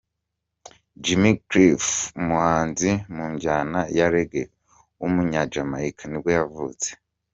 Jimmy Cliff, umuhanzi mu njyana ya Reggae w’umunya-Jamaica nibwo yavutse.